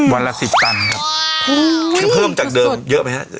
วันละ๑๐ตันครับเพิ่มจากเดิมเยอะไหมครับ